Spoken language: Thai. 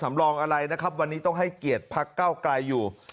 สำรองอะไรนะครับวันนี้ต้องให้เกลียดภัคษณ์ก้าวกลายอยู่